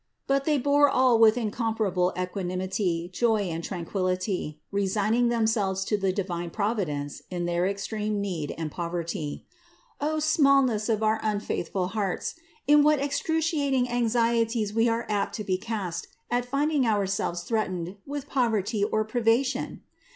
But they bore all with incomparable equanimity, joy and tranquillity, resigning themselves to the divine Providence in their extreme need and poverty. O smallness of our unfaithful hearts! In what excruci ating anxieties we are apt to be cast at finding ourselves THE INCARNATION 561 threatened with poverty or privation!